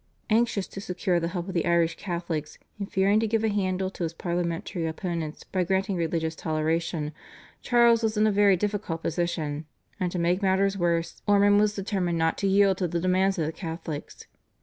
Anxious to secure the help of the Irish Catholics, and fearing to give a handle to his parliamentary opponents by granting religious toleration, Charles was in a very difficult position, and to make matters worse Ormond was determined not to yield to the demands of the Catholics.